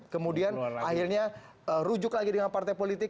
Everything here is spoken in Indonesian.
kemudian akhirnya rujuk lagi dengan partai politik